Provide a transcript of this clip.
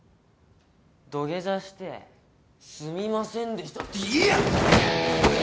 土下座してすみませんでしたって言えや！